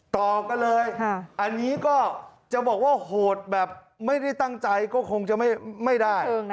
ต่อกันเลยอันนี้ก็จะบอกว่าโหดแบบไม่ได้ตั้งใจก็คงจะไม่ได้